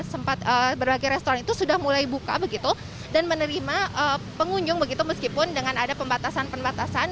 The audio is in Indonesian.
sempat berbagai restoran itu sudah mulai buka begitu dan menerima pengunjung begitu meskipun dengan ada pembatasan pembatasan